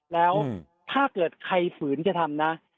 แล้วถ้าเกิดใครฝืนกระทำนะ